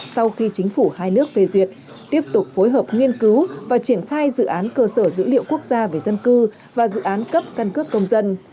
sau khi chính phủ hai nước phê duyệt tiếp tục phối hợp nghiên cứu và triển khai dự án cơ sở dữ liệu quốc gia về dân cư và dự án cấp căn cước công dân